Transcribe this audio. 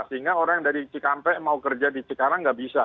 sehingga orang yang dari cikampek mau kerja di cikarang nggak bisa